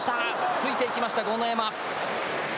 ついていきました豪ノ山。